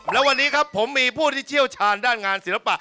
และวันนี้ครับผมมีผู้ที่เชี่ยวชาญด้านงานศิลปะ